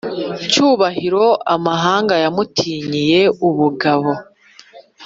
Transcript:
Cyubahiro amahanga yamutinyiye ubugabo